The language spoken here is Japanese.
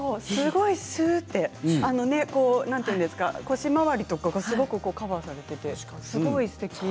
腰回りがすごくカバーされていて、すごいすてき。